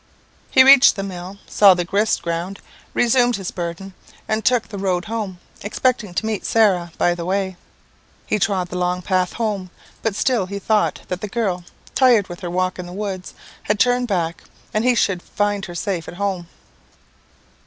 He reached the mill, saw the grist ground, resumed his burden, and took the road home, expecting to meet Sarah by the way. He trod the long path alone; but still he thought that the girl, tired with her walk in the woods, had turned back, and he should find her safe at home.